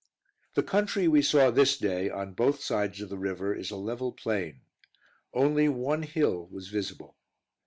The country we saw this day, on both sides of the river, is a level plain; only one hill was visible.